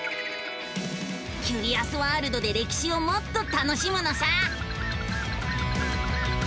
キュリアスワールドで歴史をもっと楽しむのさ！